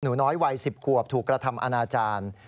หนูน้อยวัย๑๐ขวบถูกกระทำอนาจารย์